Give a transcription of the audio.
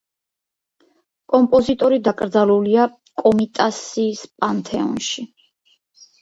კომპოზიტორი დაკრძალულია კომიტასის პანთეონში.